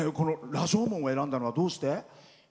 「羅生門」を選んだのはどうして？